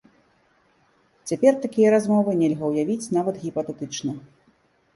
Цяпер такія размовы нельга ўявіць нават гіпатэтычна.